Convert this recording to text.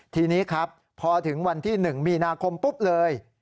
ทีนี้ครับพอถึงวันที่๑มีนาคมปุ๊บเลย